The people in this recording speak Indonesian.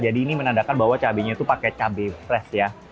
jadi ini menandakan bahwa cabenya itu pakai cabai fresh ya